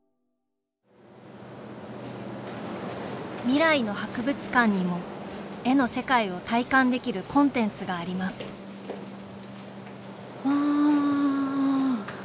「未来の博物館」にも絵の世界を体感できるコンテンツがありますうわ。